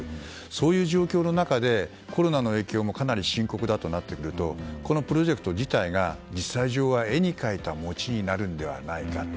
そういう状況の中でコロナの影響もかなり深刻だとなってくるとこのプロジェクト自体が実際上は絵に描いた餅になるのではないかと。